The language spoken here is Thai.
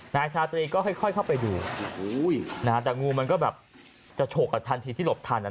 นายชาติก็ค่อยเข้าไปดูแต่งูมันก็แบบจะโฉกกับทันทีที่หลบทัน